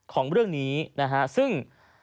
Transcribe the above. ของเรื่องนี้นะฮะซึ่ง